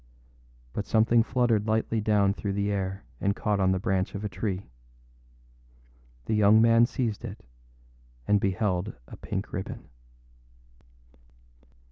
But something fluttered lightly down through the air and caught on the branch of a tree. The young man seized it, and beheld a pink ribbon.